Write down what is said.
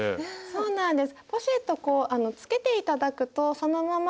そうなんです。